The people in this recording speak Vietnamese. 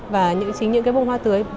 và những bông hoa tươi